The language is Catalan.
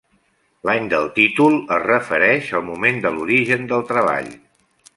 L'any del títol es refereix al moment de l'origen del treball.